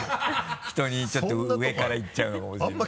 人にちょっと上からいっちゃうのかもしれない。